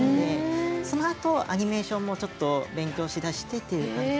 そのあとアニメーションもちょっと勉強しだしてという感じです。